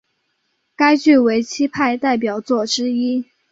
该剧为戚派代表作之一。